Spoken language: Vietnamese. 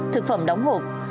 thực phẩm đóng hộp